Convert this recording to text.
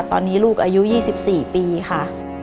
ตอนนี้ลูกอายุยี่สิบสี่ปีค่ะ